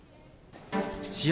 試合